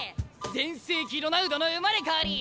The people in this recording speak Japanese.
全盛期ロナウドの生まれ変わり！